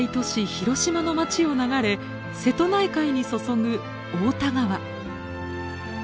広島の街を流れ瀬戸内海に注ぐ太田川。